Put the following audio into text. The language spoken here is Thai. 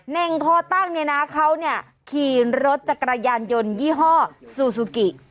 เน่งคอตั้งเขาขี่รถจักรยานยนต์ยี่ห้อซูซูกิ